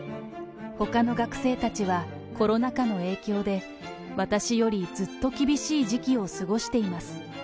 ほかの学生たちはコロナ禍の影響で私よりずっと厳しい時期を過ごしています。